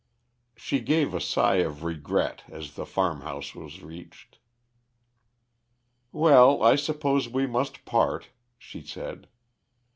She gave a sigh of regret as the farmhouse was reached. "Well, I suppose we must part," she said.